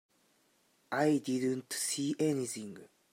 I didn't see anything.